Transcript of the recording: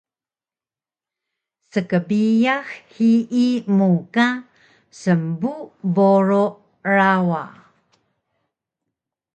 Skbiyax hiyi mu ka smbu boru rawa